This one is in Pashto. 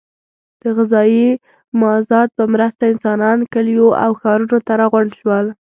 د غذایي مازاد په مرسته انسانان کلیو او ښارونو ته راغونډ شول.